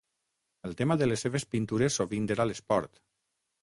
El tema de les seves pintures sovint era l'esport.